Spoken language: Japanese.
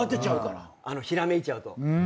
ひらめいちゃうと。